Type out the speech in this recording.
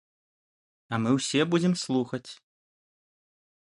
А мы ўсе будзем слухаць.